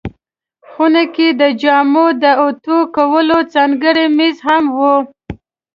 خونه کې د جامو د اوتو کولو ځانګړی مېز هم و.